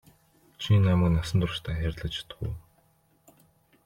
Чи намайг насан туршдаа хайрлаж чадах уу?